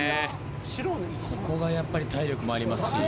ここがやっぱり体力もありますし。